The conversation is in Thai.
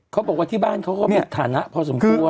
เขาบอกว่าที่บ้านเขาก็มีฐานะพอสมควร